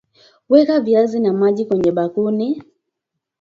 Weka viazi na maji kwenye bakuli